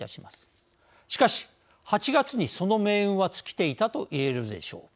しかし８月にその命運は尽きていたといえるでしょう。